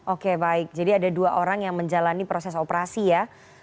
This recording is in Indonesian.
oke baik jadi ada dua orang yang menjalani proses operasi ya